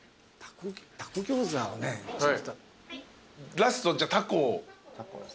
ラストじゃあタコを。